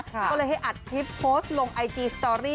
ก็เลยให้อัดคลิปโพสต์ลงไอจีสตอรี่